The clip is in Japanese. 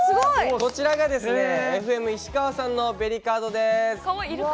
こちらが、エフエム石川さんのベリカードです。